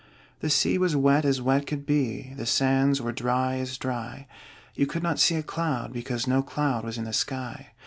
The sea was wet as wet could be, The sands were dry as dry. You could not see a cloud, because No cloud was in the sky.